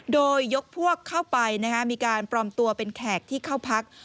โดยยกพวกเข้าไปมีการปลอมตัวเป็นแขกที่เข้าพัก